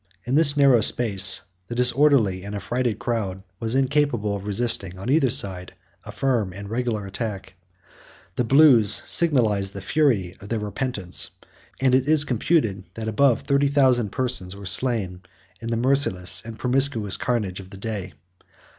In this narrow space, the disorderly and affrighted crowd was incapable of resisting on either side a firm and regular attack; the blues signalized the fury of their repentance; and it is computed, that above thirty thousand persons were slain in the merciless and promiscuous carnage of the day.